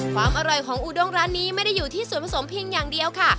ความอร่อยของอูด้งร้านนี้ไม่ได้อยู่ที่ส่วนผสมเพียงอย่างเดียวค่ะ